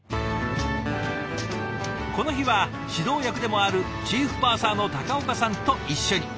この日は指導役でもあるチーフパーサーの岡さんと一緒に。